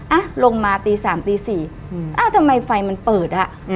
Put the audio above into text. อ่ะลงมาตี๓ตี๔เอ้าทำไมไฟมันเปิดอ่ะ